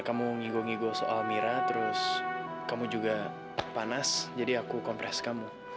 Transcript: sampai jumpa di video selanjutnya